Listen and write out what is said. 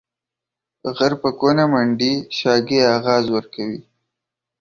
غر په کونه منډي ، شاگى اغاز ورکوي.